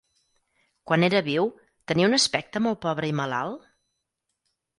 Quan era viu, tenia un aspecte molt pobre i malalt?